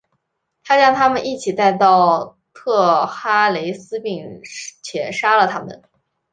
他将他们一起带到特哈雷斯并且杀了他们。